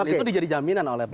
itu jadi jaminan oleh pak